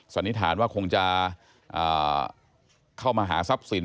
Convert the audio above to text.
สันนิษฐานว่าคงจะเข้ามาหาทรัพย์สิน